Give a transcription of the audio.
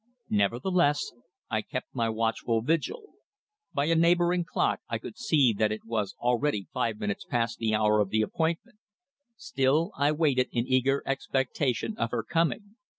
Nevertheless, I kept my watchful vigil. By a neighbouring clock I could see that it was already five minutes past the hour of the appointment. Still, I waited in eager expectation of her coming.